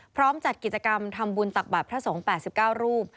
พร้อมจัดกิจกรรมทำบุญตักบัตรพระสงค์๘๙รูป